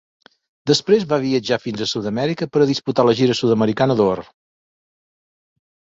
Després va viatjar fins a Sud-amèrica per a disputar la gira sud-americana d'Or.